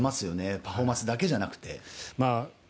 パフォーマンスだけじゃなくて。